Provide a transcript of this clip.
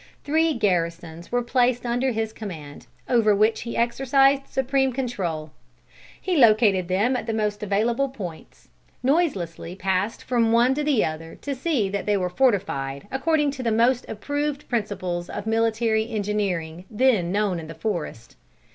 Three garrisons were placed under his command, over which he exercised supreme control. He located them at the most available points; noiselessly passed from one to the other to see that they were fortified according to the most approved principles of military engineering then known in the forest.